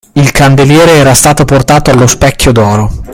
Il candeliere era stato portato allo Specchio d’Oro.